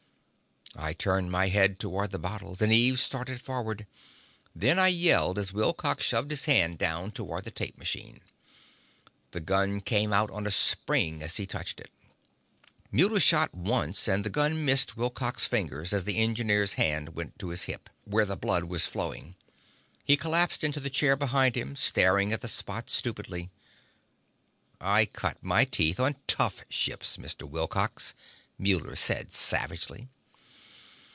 I turned my head toward the bottles, and Eve started forward. Then I yelled as Wilcox shoved his hand down toward the tape machine. The gun came out on a spring as he touched it. Muller shot once, and the gun missed Wilcox's fingers as the engineer's hand went to his hip, where blood was flowing. He collapsed into the chair behind him, staring at the spot stupidly. "I cut my teeth on tough ships, Mr. Wilcox," Muller said savagely.